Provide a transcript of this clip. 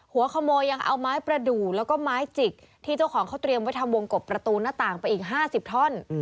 หัวขโมยยังเอาไม้ประดูกแล้วก็ไม้จิกที่เจ้าของเขาเตรียมไว้ทำวงกบประตูหน้าต่างไปอีก๕๐ท่อน